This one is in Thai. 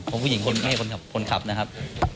เพราะผู้หญิงคนไม่ใช่คนขับนะครับ